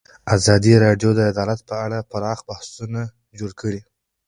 ازادي راډیو د عدالت په اړه پراخ بحثونه جوړ کړي.